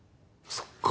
そっか。